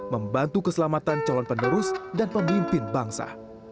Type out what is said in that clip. membantu keselamatan calon penerus dan pemimpin bangsa